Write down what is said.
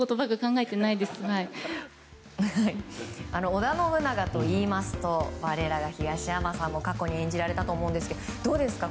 織田信長といいますと我らが東山さんも過去に演じられたと思うんですけどもどうですか。